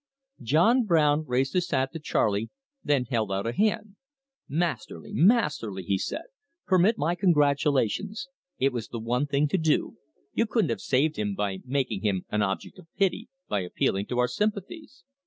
John Brown raised his hat to Charley, then held out a hand. "Masterly masterly!" he said. "Permit my congratulations. It was the one thing to do. You couldn't have saved him by making him an object of pity, by appealing to our sympathies."